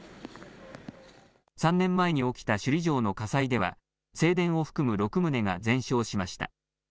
３年前に起きた首里城の火災では、正殿を含む６棟が全焼しました。